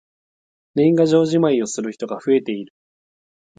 年賀状じまいをする人が増えている。